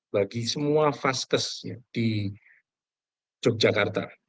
bagi semua vaskes di yogyakarta